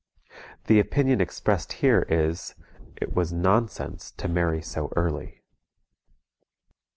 The opinion expressed here is: "It was nonsense to marry so early."